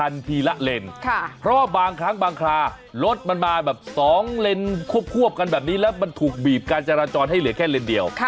นี่นะคลารถมันมาแบบ๒เลนด์ควบกันแบบนี้แล้วมันถูกบีบการจราจรให้เหลือแค่เลนด์เดียว